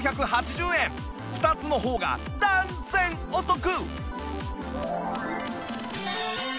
２つの方が断然お得！